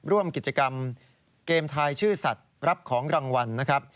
ร่วมกิจกรรมเกมทายชื่อสัตว์รับของรางวัลนะครับ